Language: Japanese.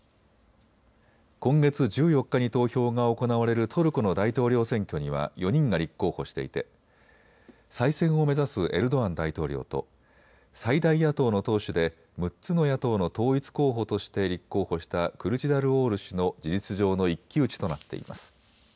今月１４日に投票が行われるトルコの大統領選挙には４人が立候補していて再選を目指すエルドアン大統領と最大野党の党首で６つの野党の統一候補として立候補したクルチダルオール氏の事実上の一騎打ちとなっています。